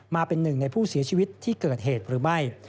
มาเป็นหนึ่งในผู้เสียชีวิตที่เกิดเหตุหรือไม่